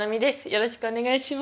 よろしくお願いします。